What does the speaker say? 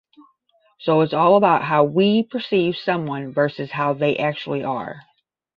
So it’s all about how we perceive someone versus how they actually are.